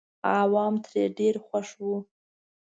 عوام ترې ډېر خوښ وو.